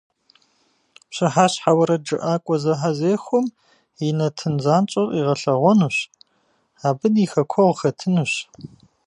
Пщыхьэщхьэ уэрэджыӏакӏуэ зэхьэзэхуэм и нэтын занщӏэр къигъэлъэгъуэнущ, абы ди хэкуэгъу хэтынущ.